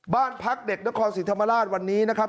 บ้านพักเด็กนครศรีธรรมราชวันนี้นะครับ